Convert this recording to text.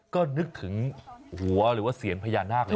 ก็นึกถึงหัวหรือว่าเสียงพญานาคเลย